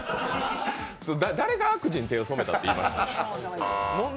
誰が悪事に手を染めたっていいました？